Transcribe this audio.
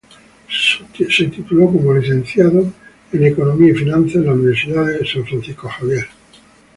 Se tituló como Licenciado en economía y finanzas en la Universidad San Francisco Xavier.